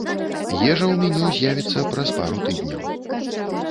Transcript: Ежа ў меню з'явіцца праз пару тыдняў.